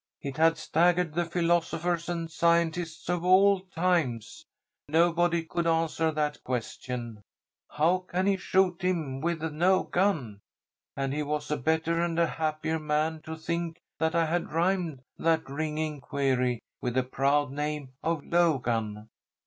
It had staggered the philosophers and scientists of all times. Nobody could answer that question 'how can he shoot him with no gun,' and he was a better and a happier man, to think that I had rhymed that ringing query with the proud name of Logan.